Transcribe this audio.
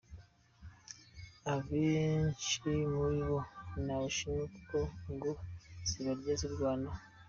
Abenshi muri abo ni Abashinwa kuko ngo zibarya zirwanaho.